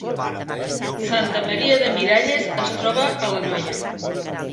Santa Maria de Miralles es troba a l’Anoia